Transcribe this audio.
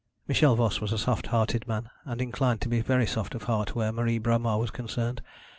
Michel Voss was a soft hearted man, and inclined to be very soft of heart where Marie Bromar was concerned.